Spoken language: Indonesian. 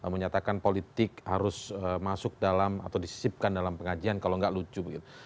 menyatakan politik harus masuk dalam atau disisipkan dalam pengajian kalau nggak lucu begitu